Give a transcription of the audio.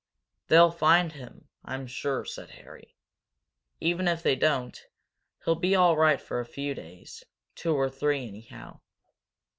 "They'll find him, I'm sure," said Harry. "Even if they don't, he'll be all right for a few days, two or three, anyhow.